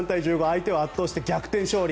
相手を圧倒して逆転勝利。